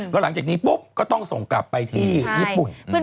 แล้วหลังจากนี้ปุ๊บก็ต้องส่งกลับไปที่ญี่ปุ่น